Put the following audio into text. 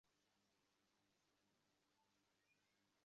পরে তাকে উদ্ধার করে ঢাকা মেডিকেল কলেজ হাসপাতাল ভর্তি করা হয়।